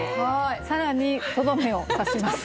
更にとどめを刺します。